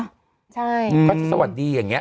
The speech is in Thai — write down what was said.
เขาจะสวัสดีอย่างนี้